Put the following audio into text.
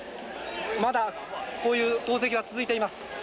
まだこういう投石が続いています